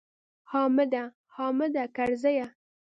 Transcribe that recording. حامده! حامد کرزیه!